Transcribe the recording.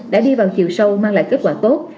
đã đi vào chiều sâu mang lại kết quả tốt